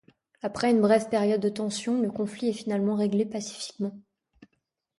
Après une brève période de tension, le conflit est finalement réglé pacifiquement.